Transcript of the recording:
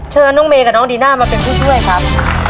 เชิญน้องเมย์กับน้องดีน่ามาเป็นผู้ช่วยครับ